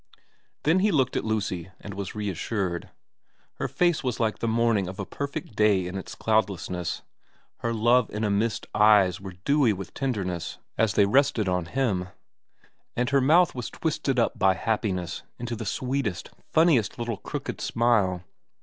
Then he looked at Lucy and was reassured. Her face was like the morning of a perfect day in its cloudlessness, her Love in a Mist eyes were dewy with tenderness as they rested on him, and her mouth was twisted up by happiness into the sweetest, funniest little crooked smile.